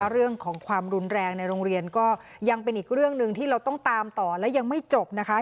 เรื่องของความรุนแรงในโรงเรียนก็ยังเป็นอีกเรื่องหนึ่งที่เราต้องตามต่อและยังไม่จบนะคะ